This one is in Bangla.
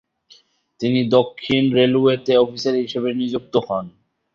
তিনি দক্ষিণ রেলওয়েতে অফিসার হিসাবে নিযুক্ত হন।